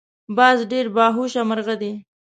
باز ډیر باهوشه مرغه دی